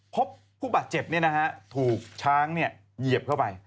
พบผู้บาดเจ็บเนี่ยนะฮะถูกช้างเนี่ยเหยียบเข้าไป